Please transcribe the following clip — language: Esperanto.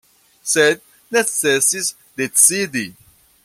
Sed necesis decidi.